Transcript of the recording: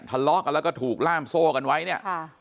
ทะเลาะกันแล้วก็ถูกล่ามโซ่กันไว้เนี่ย